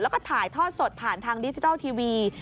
แล้วก็ถ่ายทอดสดผ่านทางดิจิทัลทีวี